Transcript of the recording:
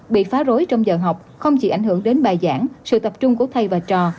bị phá rối trong giờ học không chỉ ảnh hưởng đến bài giảng sự tập trung của thầy và trò